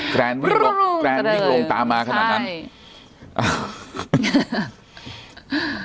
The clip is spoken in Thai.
แกล้นวิ่งลงแกล้นวิ่งลงตามมาขนาดนั้นใช่